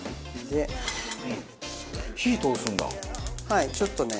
はいちょっとね。